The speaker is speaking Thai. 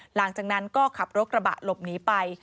หลังจากนั้นก็ขับรถกระบะหลบหนีไป